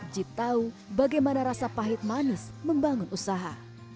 jit tahu bagaimana rasa pahit manis membangun usaha